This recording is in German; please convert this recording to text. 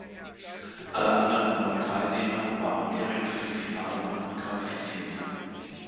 Alle anderen neun Teilnehmer waren direkt für die Finalrunden qualifiziert.